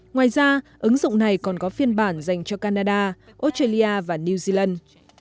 ngoài ra ứng dụng này còn có phiên bản dành cho canada australia và new zealand